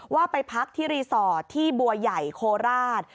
ว่าไปพักที่รีสอร์ทที่บัวใหญ่โคราช